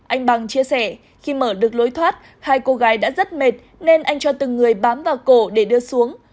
anh bằng chia sẻ khi mở được lối thoát hai cô gái đã rất mệt nên anh cho từng người bám vào cổ để đưa xuống